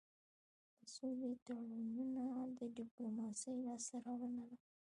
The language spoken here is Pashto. د سولې تړونونه د ډيپلوماسی لاسته راوړنه ده.